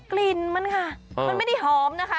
กลิ่นมันค่ะมันไม่ได้หอมนะคะ